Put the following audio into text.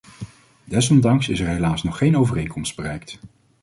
Desondanks is er helaas nog geen overeenkomst bereikt.